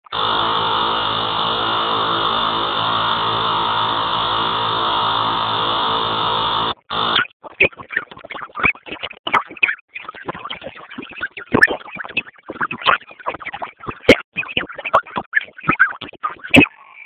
خوږ غږ روح ته غذا ده.